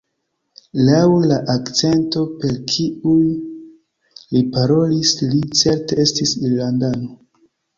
Laŭ la akcento per kiu li parolis li certe estis irlandano.